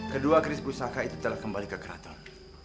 kedua kris pusaka itu telah kembali ke qatar